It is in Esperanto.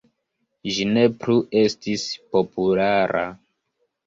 Ĝi ne plu estis populara.